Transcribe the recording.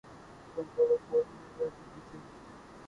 چونکہ وہ فوج میں رہ چکے تھے۔